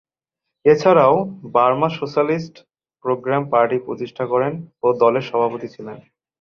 এছাড়াও, Burma socialist programme party প্রতিষ্ঠা করেন ও দলের সভাপতি ছিলেন।